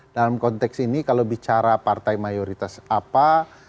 dalam konteks ini kalau bicara partai mayoritas apa